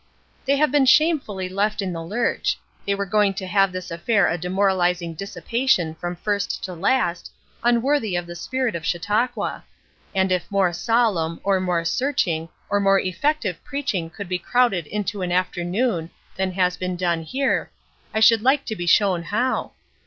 "They have been shamefully left in the lurch; they were going to have this affair a demoralizing dissipation from first to last, unworthy of the spirit of Chautauqua. And if more solemn, or more searching, or more effective preaching could be crowded into an afternoon than has been done here, I should like to be shown how.